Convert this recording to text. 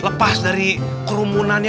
lepas dari kerumunannya